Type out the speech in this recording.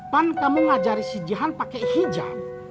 pan kamu mengajari si jihan pakai hijab